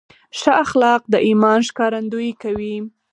ښه اخلاق د ایمان ښکارندویي کوي.